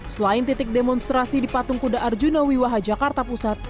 selain titik demonstrasi di patung kuda arjuna wiwaha jakarta pusat